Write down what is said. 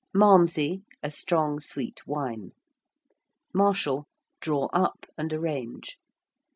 ~malmsey~: a strong sweet wine. ~marshal~: draw up and arrange.